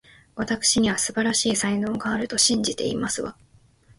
わたくしには、素晴らしい才能があると信じていますわ